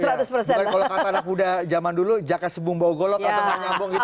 kalau kata anak muda zaman dulu jaka sebung bau golok atau nyambung gitu